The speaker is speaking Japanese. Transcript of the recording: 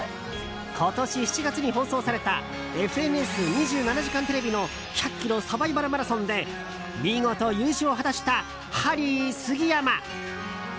今年７月に放送された「ＦＮＳ２７時間テレビ」の１００ｋｍサバイバルマラソンで見事、優勝を果たしたハリー杉山。